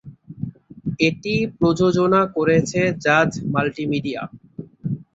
এটি প্রযোজনা করেছে জাজ মাল্টিমিডিয়া।